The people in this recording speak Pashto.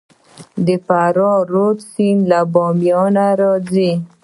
د فراه رود سیند له بامیان راځي